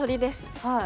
はい。